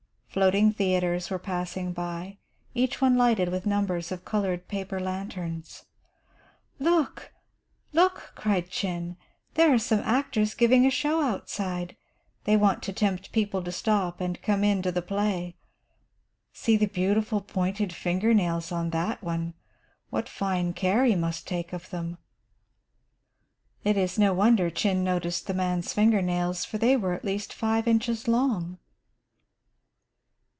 Floating theatres were passing by, each one lighted with numbers of coloured paper lanterns. "Look! look!" cried Chin. "There are some actors giving a show outside. They want to tempt people to stop and come in to the play. See the beautiful pointed finger nails on that one. What fine care he must take of them!" It is no wonder Chin noticed the man's finger nails, for they were at least five inches long.